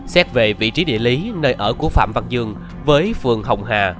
xét về vị trí địa lý nơi ở của phạm văn dương với phường hồng hà